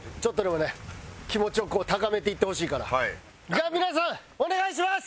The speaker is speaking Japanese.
じゃあ皆さんお願いします！